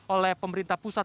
oleh pemerintah pusat